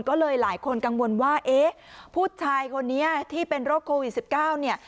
ก็เลยหลายคนกังวลว่าเอ๊ะผู้ชายคนนี้ที่เป็นโรคโควิด๑๙เนี่ย